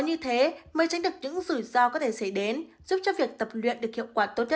như thế mới tránh được những rủi ro có thể xảy đến giúp cho việc tập luyện được hiệu quả tốt nhất cho sức khỏe